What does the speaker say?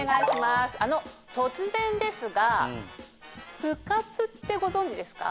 あの突然ですがプ活ってご存じですか？